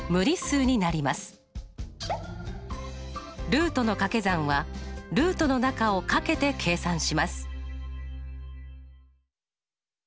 ルートの掛け算はルートの中を掛けて計算します。